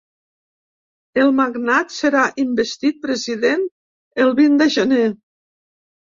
El magnat serà investit president el vint de gener.